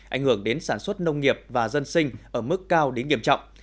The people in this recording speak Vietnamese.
ảnh hưởng đến sản xuất nông nghiệp và dân sinh ở mức cao đến nghiêm trọng